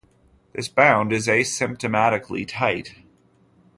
This bound is asymptotically tight.